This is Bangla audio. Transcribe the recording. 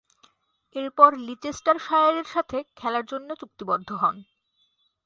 এরপর লিচেস্টারশায়ারের সাথে খেলার জন্যে চুক্তিবদ্ধ হন।